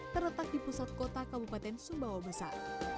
terletak di pusat kota kabupaten sumbawa besar